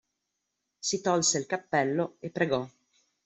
Si tolse il cappello e pregò.